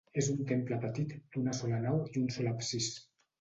És un temple petit, d'una sola nau i un sol absis.